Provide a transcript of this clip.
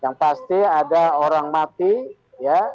yang pasti ada orang mati ya